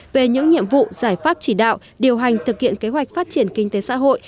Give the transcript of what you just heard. về những nhiệm vụ giải pháp chỉ đạo điều hành thực hiện kế hoạch phát triển kinh tế xã hội